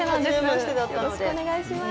よろしくお願いします。